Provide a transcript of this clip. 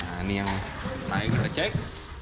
nah ini yang naik kita cek